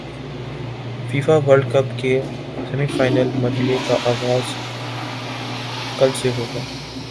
FIFA world cup کے semi final مرحلے کا غاز کل سے ہو گا